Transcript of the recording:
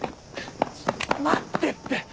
待ってって！